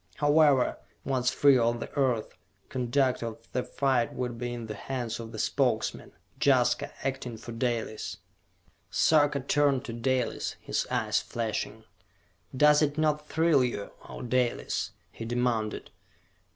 However, once free of the Earth, conduct of the fight would be in the hands of the Spokesman Jaska, acting for Dalis. Sarka turned to Dalis, his eyes flashing. "Does it not thrill you, O Dalis?" he demanded.